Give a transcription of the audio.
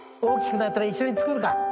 大きくなったら一緒に作るか。